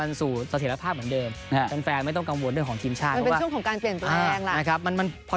อันนี้ก็เป็นของเรา